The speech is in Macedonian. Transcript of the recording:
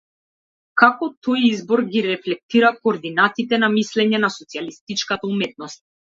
Како тој избор ги рефлектира координатите на мислење на социјалистичката уметност?